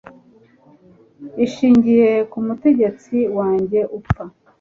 ishingiye ku mutegetsi wanjye upfa